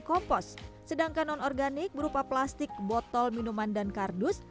kompos sedangkan non organik berupa plastik botol minuman dan kardus